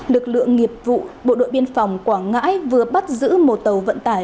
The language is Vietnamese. lực lượng nghiệp vụ bộ đội biên phòng quảng ngãi vừa bắt giữ một tàu vận tải